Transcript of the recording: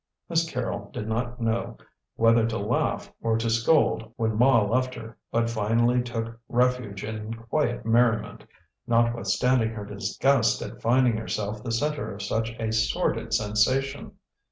Miss Carrol did not know whether to laugh or to scold when Ma left her, but finally took refuge in quiet merriment, notwithstanding her disgust at finding herself the centre of such a sordid sensation.